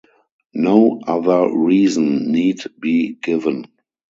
No other reason need be given.